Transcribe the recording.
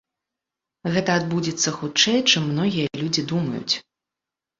Гэта адбудзецца хутчэй, чым многія людзі думаюць.